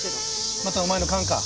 またお前の勘か？